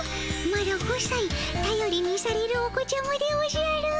マロ５さいたよりにされるお子ちゃまでおじゃる。